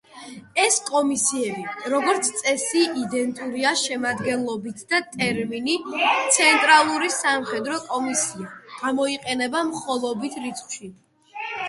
ეს კომისიები, როგორც წესი იდენტურია შემადგენლობით, და ტერმინი „ცენტრალური სამხედრო კომისია“ გამოიყენება მხოლობით რიცხვში.